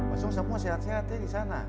langsung semua sehat sehat ya di sana